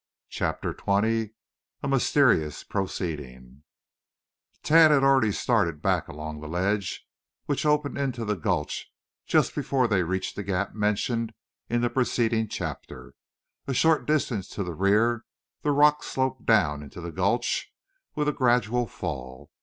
CHAPTER XX A MYSTERIOUS PROCEEDING Tad had already started back along the ledge which opened into the gulch just before they reached the gap mentioned in the preceding chapter. A short distance to the rear the rocks sloped down into the gulch with a gradual fall.